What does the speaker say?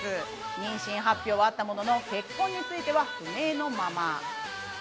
妊娠発表はあったものの、結婚については不明のまま。